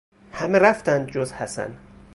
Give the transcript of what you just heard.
همه رفتند جز حسن.